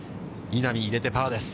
稲見入れてパーです。